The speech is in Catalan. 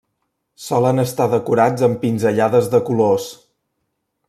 Solen estar decorats amb pinzellades de colors.